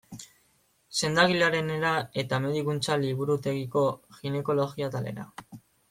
Sendagilearenera eta medikuntza-liburutegiko ginekologia atalera.